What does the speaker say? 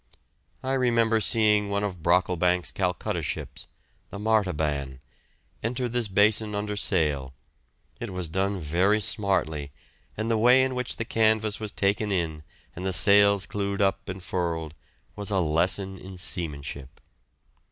I remember seeing one of Brocklebank's Calcutta ships, the "Martaban," enter this basin under sail; it was done very smartly, and the way in which the canvas was taken in and the sails clewed up and furled, was a lesson in seamanship.